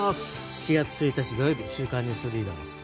７月１日、土曜日「週刊ニュースリーダー」です。